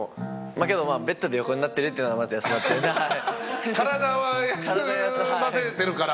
まあけどベッドで横になってるっていうのはまず休まってるんではい。